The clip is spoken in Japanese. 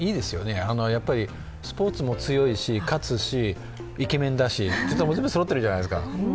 やっぱりいいですよね、スポーツも強いし、勝つし、イケメンだし、そろっているじゃないですか。